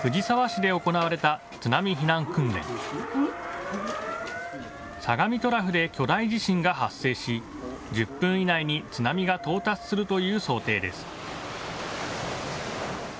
相模トラフで巨大地震が発生し、１０分以内に津波が到達するという想定です。